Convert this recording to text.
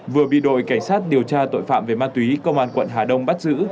vừa bị đội cảnh sát điều tra tội phạm về ma túy công an quận hà đông bắt giữ